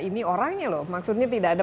ini orangnya loh maksudnya tidak ada